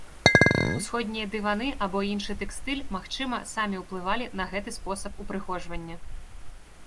Усходнія дываны або іншы тэкстыль, магчыма, самі уплывалі на гэты спосаб упрыгожвання.